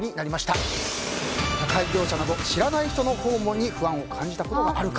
宅配業者など知らない人の訪問に不安を感じたことあるか。